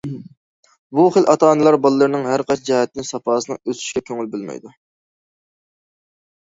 بۇ خىل ئاتا- ئانىلار بالىلىرىنىڭ ھەر قايسى جەھەتتىن ساپاسىنىڭ ئۆسۈشىگە كۆڭۈل بۆلمەيدۇ.